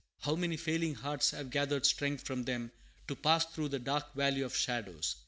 How many failing hearts have gathered strength from them to pass through the dark valley of shadows!